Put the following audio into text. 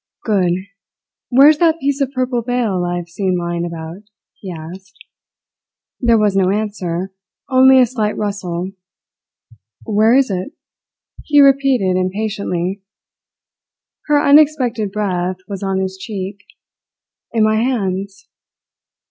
"Good! Where's that piece of purple veil I've seen lying about?" he asked. There was no answer, only a slight rustle. "Where is it?" he repeated impatiently. Her unexpected breath was on his cheek. "In my hands."